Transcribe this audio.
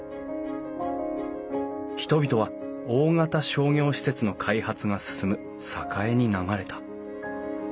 人々は大型商業施設の開発が進む栄に流れた。